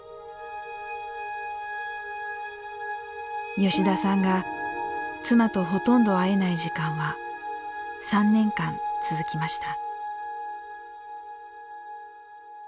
吉田さんが妻とほとんど会えない時間は３年間続きました。